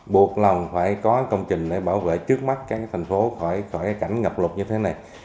buộc lòng phải có công trình để bảo vệ trước mắt các thành phố khỏi cảnh ngập lụt như thế này